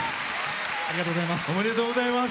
ありがとうございます。